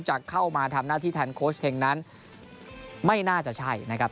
จะเข้ามาทำหน้าที่แทนโค้ชเฮงนั้นไม่น่าจะใช่นะครับ